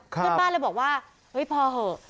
เพื่อนบ้านเลยบอกว่าเฮ้ยพอเหอะ